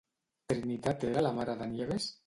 Trinitat era la mare de Nieves?